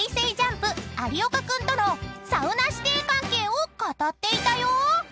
ＪＵＭＰ有岡君とのサウナ師弟関係を語っていたよ］